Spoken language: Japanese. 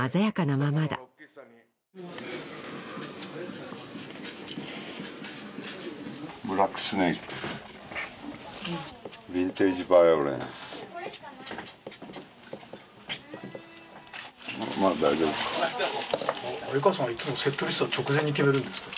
まあ大丈夫か鮎川さんはいっつもセットリスト直前に決めるんですか？